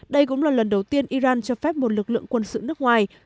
đây cũng là lần đầu tiên iran cho phép một lực lượng quân sự nước ngoài